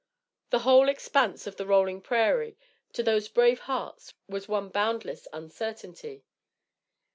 The whole expanse of the rolling prairie, to those brave hearts, was one boundless uncertainty.